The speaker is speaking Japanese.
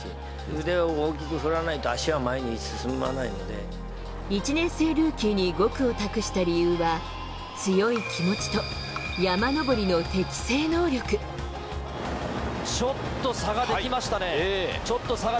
腕を大きく振らないと、足は前に１年生ルーキーに５区を託した理由は、強い気持ちと、ちょっと差が出来ましたね。